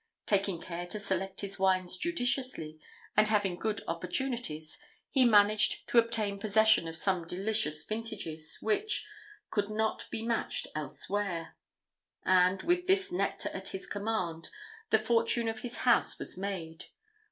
Taking care to select his wines judiciously, and having good opportunities, he managed to obtain possession of some delicious vintages, which, could not be matched elsewhere; and, with this nectar at his command, the fortune of his house was made.